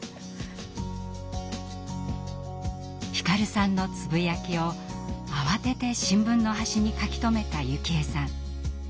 皓さんのつぶやきを慌てて新聞の端に書き留めた幸枝さん。